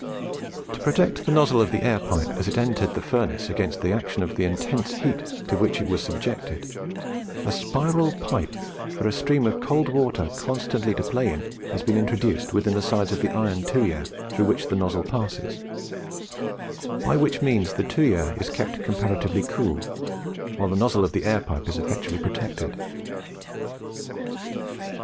To protect the nozzle of the air pipe as it entered the furnace against the action of the intense heat to which it was subjected, a spiral pipe for a stream of cold water constantly to play in has been introduced within the sides of the iron tuyere through which the nozzle passes; by which means the tuyere is kept comparatively cool, while the nozzle of the air pipe is effectually protected.